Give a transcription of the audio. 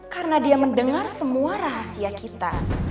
karena dia mendengar semua rahasia kita